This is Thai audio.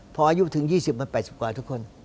พออายุถึง๒๐มัน๘๐กว่าทุกคน